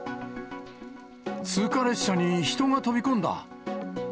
通過列車に人が飛び込んだ。